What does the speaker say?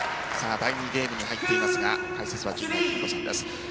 第２ゲームに入ってきますが解説は陣内貴美子さんです。